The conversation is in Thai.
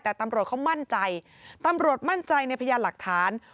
แต่ตำรวจเขามั่นใจตำรวจมั่นใจในพยานหลักฐาน